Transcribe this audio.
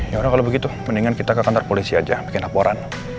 ya orang kalau begitu mendingan kita ke kantor polisi aja bikin laporan